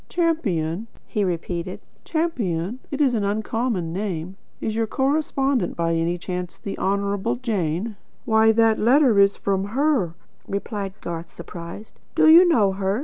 "Champion?" he repeated. "Champion? It's an uncommon name. Is your correspondent, by any chance, the Honourable Jane?" "Why, that letter is from her," replied Garth, surprised. "Do you know her?"